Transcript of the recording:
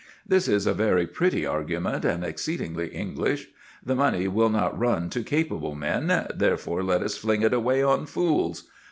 This is a very pretty argument and exceedingly English. The money will not run to capable men; therefore let us fling it away on fools.